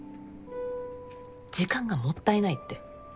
時間がもったいないって。